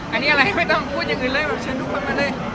อันนี้อะไรไม่ต้องพูดอย่างอื่นเลยแบบเชิญทุกคนมาเลย